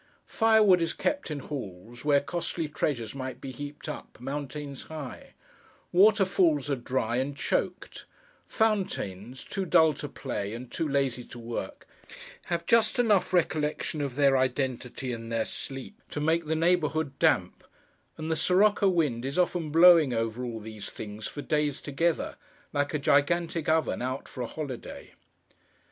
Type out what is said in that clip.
Firewood is kept in halls where costly treasures might be heaped up, mountains high; waterfalls are dry and choked; fountains, too dull to play, and too lazy to work, have just enough recollection of their identity, in their sleep, to make the neighbourhood damp; and the sirocco wind is often blowing over all these things for days together, like a gigantic oven out for a holiday.